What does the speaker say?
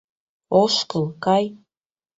Ошкыл, кай.